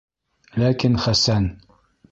Ләкин Хәсән: